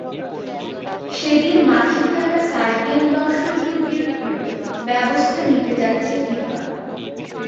সেদিন মাঠে থাকা সার্বিয়ান দর্শকদের বিরুদ্ধেও ব্যবস্থা নিতে যাচ্ছে ফিফা।